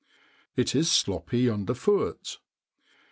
It is sloppy underfoot.